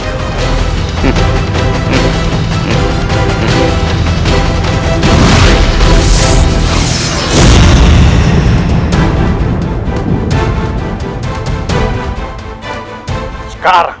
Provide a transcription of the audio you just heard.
jika suatu saat nanti dia memenjarakanku